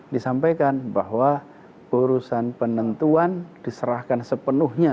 disampaikan bahwa urusan penentuan diserahkan sepenuhnya